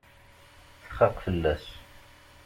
Txaq fell-as.